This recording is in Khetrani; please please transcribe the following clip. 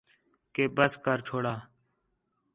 کہ بس کر چھورا